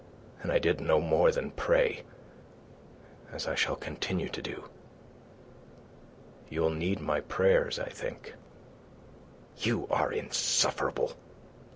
And I did no more than pray, as I shall continue to do. You'll need my prayers, I think." "You are insufferable!"